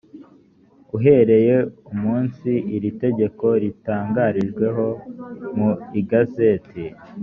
uhereye umunsi iri tegeko ritangarijweho mu igazeti